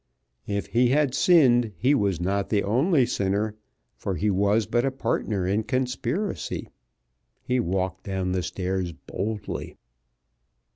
If he had sinned he was not the only sinner, for he was but a partner in conspiracy. He walked down the stairs boldly.